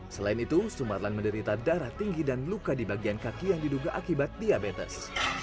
selain itu sumarlan menderita darah tinggi dan luka di bagian kaki yang diduga akibat diabetes